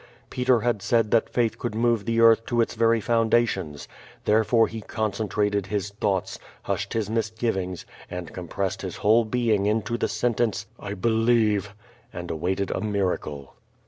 Peter had said that faith could move the earth to its very foundations. There fore, he concentrated his thoughts, hushed his misgivings, and compressed his whole being into the sentence, "1 believe," and awaited a miracle.